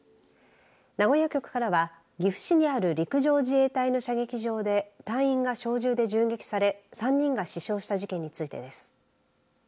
名古屋局からは岐阜市にある陸上自衛隊の射撃場で隊員が小銃で銃撃され３人が死傷した事件についてです。